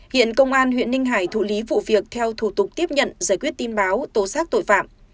hiện công an huyện ninh hải thụ lý vụ việc theo thủ tục tiếp nhận giải quyết tin báo tố xác tội phạm